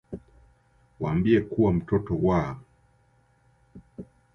Waambie kuwa mtoto wa